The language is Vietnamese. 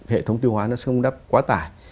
hệ thống tiêu hóa nó sẽ không đắp quá tải